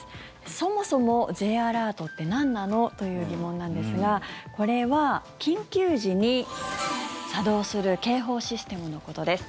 そもそもＪアラートってなんなの？という疑問なんですがこれは、緊急時に作動する警報システムのことです。